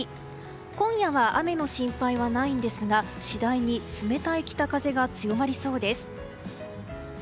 今夜は雨の心配はないんですが次第に冷たい北風が強まりそうです。